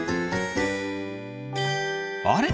あれ？